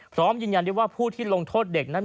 พร้อมยืนยันได้ว่าผู้ที่ลงโทษเด็กนั้น